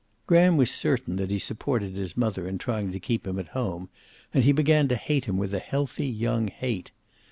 Graham was certain that he supported his mother in trying to keep him at home, and he began to hate him with a healthy young hate.